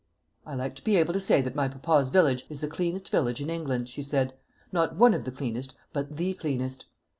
"I like to be able to say that my papa's village is the cleanest village in England," she said; "not one of the cleanest, but the cleanest.